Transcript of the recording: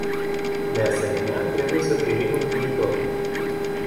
De asemenea, trebuie să privim în viitor.